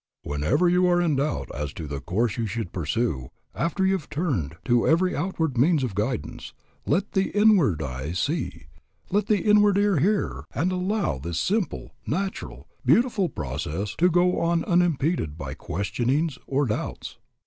"Whenever you are in doubt as to the course you should pursue, after you have turned to every outward means of guidance, let the inward eye see, let the inward ear hear, and allow this simple, natural, beautiful process to go on unimpeded by questionings or doubts.